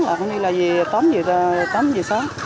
là tóm giờ sớm